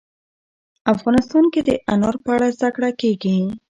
افغانستان کې د انار په اړه زده کړه کېږي.